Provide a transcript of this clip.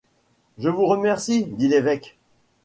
Je vous remercie, dit l’évêque.